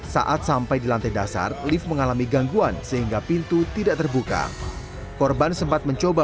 saat sampai di lantai dasar lift mengalami gangguan sehingga pintu tidak terbuka korban sempat mencoba